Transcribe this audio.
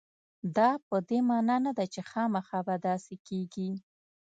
دا په دې معنا نه ده چې خامخا به داسې کېږي.